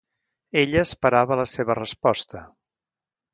Ella esperava la seva resposta.